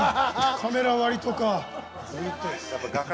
カメラ割りとか。